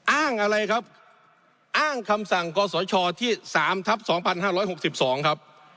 อ้างอะไรครับอ้างคำสั่งกศชที่๓ทับ๒๕๖๒ครับ